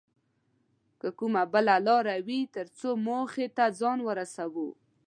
که کومه بله لاره وي تر څو موخې ته ځان ورسوو